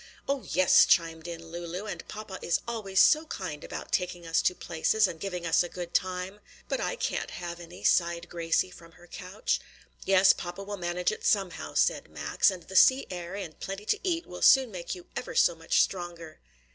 "Oh, yes!" chimed in Lulu, "and papa is always so kind about taking us to places and giving us a good time." "But I can't have any!" sighed Gracie from her couch. "Yes, papa will manage it somehow," said Max; "and the sea air and plenty to eat will soon make you ever so much stronger."